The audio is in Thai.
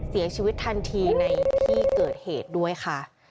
เสียชีวิตทันทีในที่เกิดเหตุด้วยค่ะ